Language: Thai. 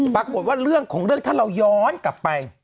ปรากฏว่าเรื่องของเรื่องถ้าเราย้อนกลับไป